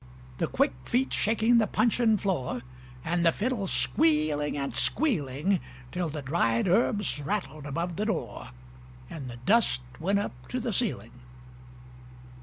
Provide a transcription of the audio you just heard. The quick feet shaking the puncheon floor, And the fiddle squealing and squealing, Till the dried herbs rattled above the door And the dust went up to the ceiling.